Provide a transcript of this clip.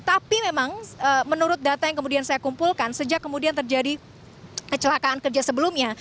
tapi memang menurut data yang kemudian saya kumpulkan sejak kemudian terjadi kecelakaan kerja sebelumnya